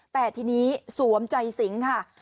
แต่ทีนี้สวมใจสิงค่ะ